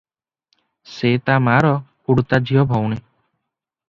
ସେ ତା ମାଆର ଖୁଡୁତା ଝିଅ ଭଉଣୀ ।